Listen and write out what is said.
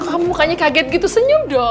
kamu mukanya kaget gitu senyum dong